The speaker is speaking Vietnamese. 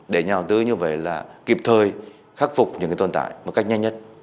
để nhà đầu tư như vậy là kịp thời khắc phục những tồn tại một cách nhanh nhất